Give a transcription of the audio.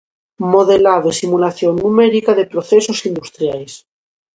Modelado e simulación numérica de procesos industriais.